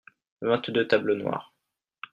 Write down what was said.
vingt deux tables noires.